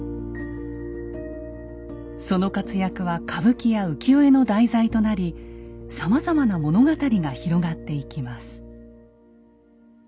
その活躍は歌舞伎や浮世絵の題材となりさまざまな物語が広がっていきます。